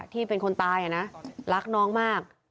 ที่เป็นคนตายนะรักน้องมาก